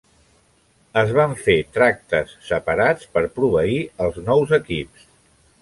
Es van fer tractes separats per proveir els nous equips.